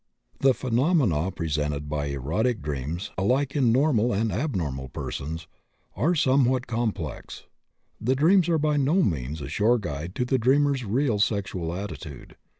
The phenomena presented by erotic dreams, alike in normal and abnormal persons, are somewhat complex, and dreams are by no means a sure guide to the dreamer's real sexual attitude.